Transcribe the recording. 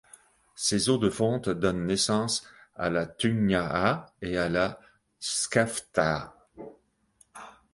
Ses eaux de fonte donnent naissance à la Tungnaá et la Skaftá.